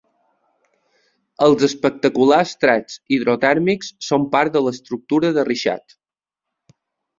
Els espectaculars trets hidrotèrmics són part de l'Estructura de Richat.